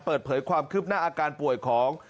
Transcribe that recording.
เปิดเผยความคืบหน้าอาการป่วยของ